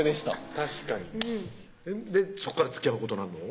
確かにそっからつきあうことなんの？